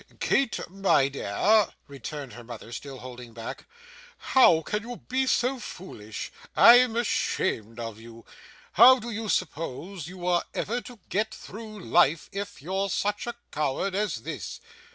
'Kate, my dear,' returned her mother, still holding back, 'how can you be so foolish? I'm ashamed of you. How do you suppose you are ever to get through life, if you're such a coward as this?